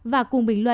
và cùng bình luận